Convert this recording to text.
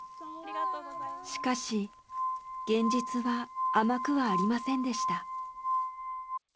しかし現実は甘くはありませんでした。